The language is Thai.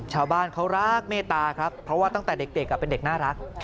ชาวบ้านเขารักเมตตาครับเพราะว่าตั้งแต่เด็กเป็นเด็กน่ารัก